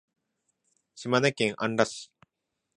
島根県安来市